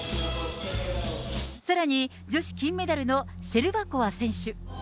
さらに、女子金メダルのシェルバコワ選手。